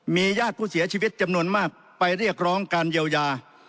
มีญาติผู้เสียชีวิตจำนวนมากไปเรียกร้องการเยียวยา